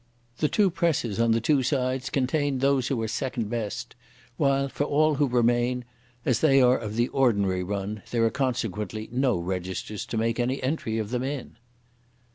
The two presses, on the two sides, contain those who are second best; while, for all who remain, as they are of the ordinary run, there are, consequently, no registers to make any entry of them in."